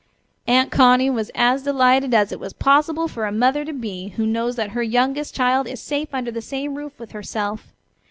Aunt Connie was as delighted as it was possible for a mother to be who knows that her youngest child is safe under the same roof with herself.